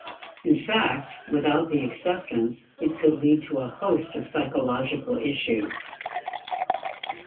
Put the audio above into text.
In fact, without the acceptance, it could lead to a host of psychological issues.